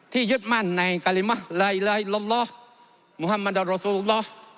ที่ยึดมั่นในกริมหลายละละมุฮัมมันตราสุละละ